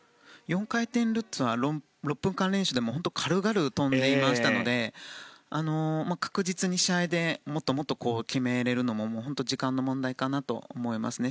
４回転ルッツは６分間練習でも軽々跳んでいましたので確実に試合でもっともっと決めれるのも本当に時間の問題かなと思いますね。